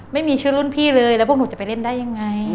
ไม่มีชื่อรุ่นพี่เลยแล้วพวกหนูจะไปเล่นได้ยังไง